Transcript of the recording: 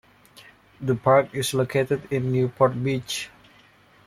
The park is located in Newport Beach.